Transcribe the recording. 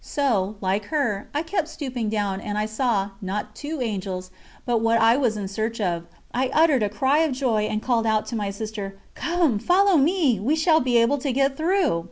So, like her, I kept stooping down and I saw, not two Angels, but what I was in search of. I uttered a cry of joy and called out to my sister: "Come, follow me, we shall be able to get through."